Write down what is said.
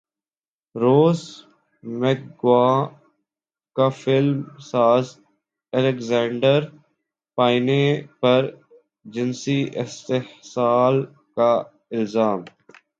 روز McGowan کا film ساز Alexander Payne پرجنسی استحصال کا الزام